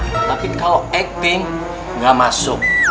tapi kalau acting gak masuk